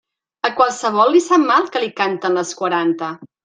A qualsevol li sap mal que li canten les quaranta.